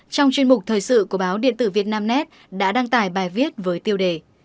trong chuyên mục thời sự của báo điện tử việt nam nét đã đăng tải bài viết với tiêu đề